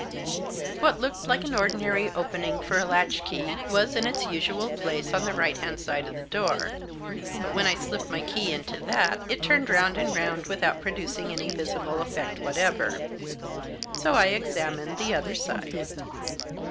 What looked like an ordinary opening for a latch key was in its usual place on the right hand side of the door, but when I slipped my key into that it turned round and round without producing any visible effect whatever. So I examined the other side.